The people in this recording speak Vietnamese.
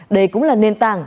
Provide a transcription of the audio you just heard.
đây cũng là nền tảng